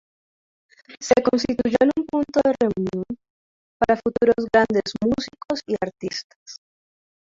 Se constituyó en un punto de reunión para futuros grandes músicos y artistas.